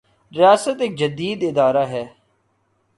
ریاست ایک جدید ادارہ ہے۔